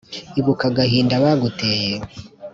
Ibuka agahinda baguteye !